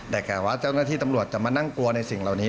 แต่แก่ว่าเจ้าหน้าที่ตำรวจจะมานั่งกลัวในสิ่งเหล่านี้